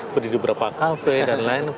berdiri di beberapa kafe dan lain lain